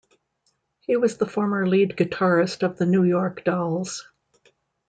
He was the former lead guitarist of the New York Dolls.